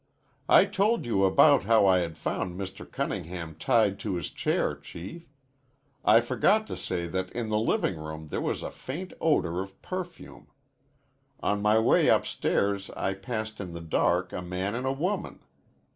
"I told you about how I found Mr. Cunningham tied to his chair, Chief. I forgot to say that in the living room there was a faint odor of perfume. On my way upstairs I passed in the dark a man and a woman.